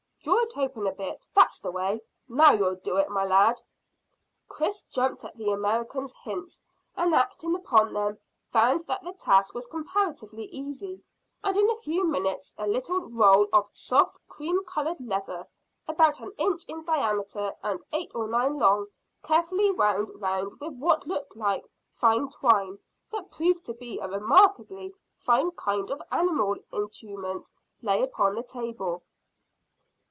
Draw it open a bit. That's the way. Now you'll do it, my lad." Chris jumped at the American's hints, and acting upon them, found that the task was comparatively easy, and in a few minutes a little roll of soft cream coloured leather, about an inch in diameter and eight or nine long, carefully wound round with what looked like fine twine, but proved to be a remarkably fine kind of animal integument, lay upon the table.